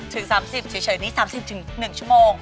ถึง๓๐เฉยนี่๓๐ถึง๑ชั่วโมง